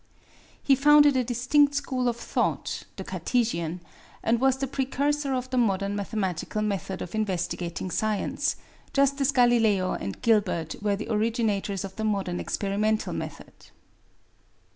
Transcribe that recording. He founded a distinct school of thought (the Cartesian), and was the precursor of the modern mathematical method of investigating science, just as Galileo and Gilbert were the originators of the modern experimental method.